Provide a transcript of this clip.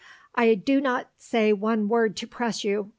I do not say one word to press you.